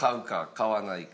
買わないか？